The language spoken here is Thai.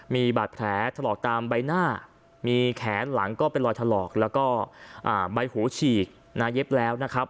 มีบาดแผลถลอกตามใบหน้ามีแขนหลังก็เป็นรอยถลอกแล้วก็ใบหูฉีกนะเย็บแล้วนะครับ